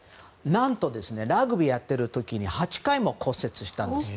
何と、ラグビーやってる時に８回も骨折したんです。